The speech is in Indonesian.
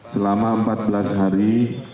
selama empat belas hari